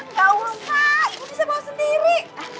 enggak usah ibu bisa bawa sendiri